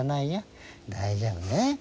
大丈夫ね。